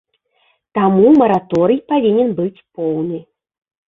Таму мараторый павінен быць поўны.